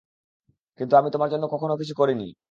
কিন্তু আমি তোমার জন্য কখনো কিছু করিনি।